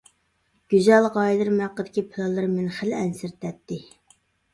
گۈزەل غايىلىرىم ھەققىدىكى پىلانلىرىم مېنى خېلى ئەنسىرىتەتتى.